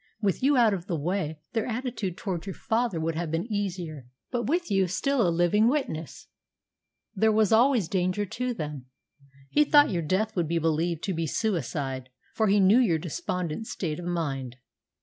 "With you out of the way, their attitude towards your father would have been easier; but with you still a living witness there was always danger to them. He thought your death would be believed to be suicide, for he knew your despondent state of mind."